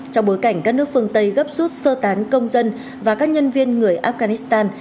trong bối cảnh các nước phương tây gấp rút sơ tán công dân và các nhân viên người afghanistan